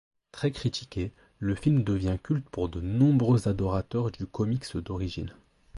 Très critiqué, le film devient culte pour de nombreux adorateurs du comics d'origine.